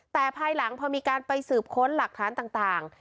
แต่ภายหลังพอมีการไปสืบค้นหลักฐานต่าง